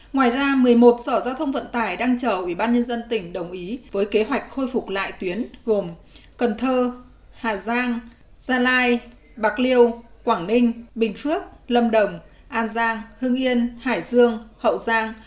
ngoài ra một mươi một sở giao thông vận tải đang chờ ubnd tỉnh đồng ý với kế hoạch khôi phục lại tuyến gồm cần thơ hà giang gia lai bạc liêu quảng ninh bình phước lâm đồng an giang hưng yên hải dương hậu giang